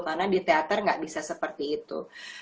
karena di teater nggak bisa seperti itu